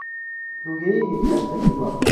رویهی یکدست دیوار